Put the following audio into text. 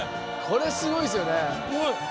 これすごいですよね。